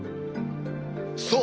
そう！